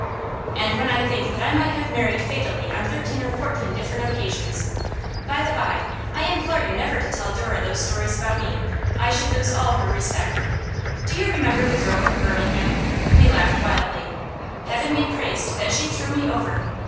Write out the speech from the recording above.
'And when I think that I might have married fatally on thirteen or fourteen different occasions. By the by, I implore you never to tell Dora those stories about me. I should lose all her respect. Do you remember the girl from Birmingham?' He laughed wildly. 'Heaven be praised that she threw me over!